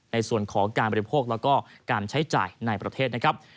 ในส่วนของการบริโภคและการใช้จ่ายในประเทศ